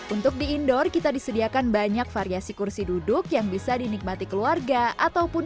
untuk di indoor kita disediakan banyak variasi kursi duduk yang bisa dinikmati keluarga ataupun